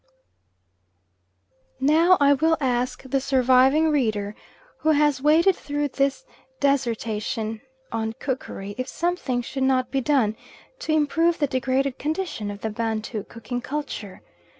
Now I will ask the surviving reader who has waded through this dissertation on cookery if something should not be done to improve the degraded condition of the Bantu cooking culture?